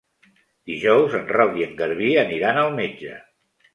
Dijous en Roc i en Garbí aniran al metge.